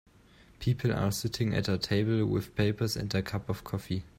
People are sitting at a table with papers and a cup of coffee.